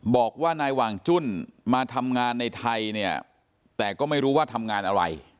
บอกว่านายหว่างจุ้นมาทำงานในไทยเนี่ยแต่ก็ไม่รู้ว่าทำงานอะไร